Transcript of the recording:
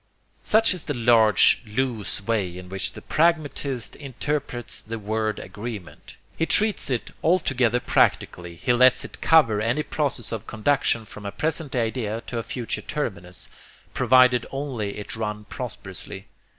Such is the large loose way in which the pragmatist interprets the word agreement. He treats it altogether practically. He lets it cover any process of conduction from a present idea to a future terminus, provided only it run prosperously.